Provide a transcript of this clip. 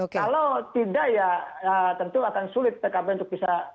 kalau tidak ya tentu akan sulit pkb untuk bisa